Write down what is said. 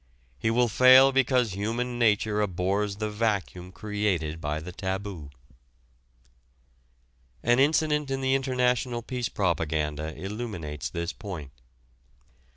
He will fail because human nature abhors the vacuum created by the taboo. An incident in the international peace propaganda illuminates this point.